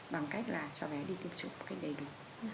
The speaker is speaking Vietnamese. bằng cách là cháu bé đi tiêm chủng một cách đầy đủ